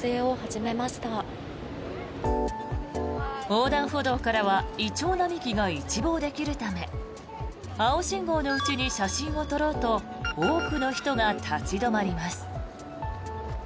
横断歩道からはイチョウ並木が一望できるため青信号のうちに写真を撮ろうと多くの人が立ち止まります。